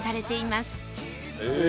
へえ！